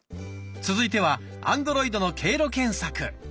続いてはアンドロイドの経路検索。